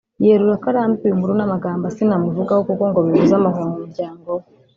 yerura ko ‘arambiwe inkuru n’amagambo Asinah amuvugaho kuko ngo bibuza amahwemo umuryango we’